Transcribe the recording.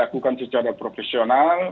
bukan secara profesional